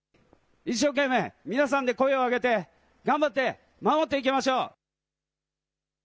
一生懸命皆さんで声を上げて頑張って守っていきましょう。